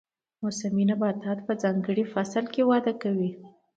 موسمي نباتات په ځانګړي فصل کې وده کوي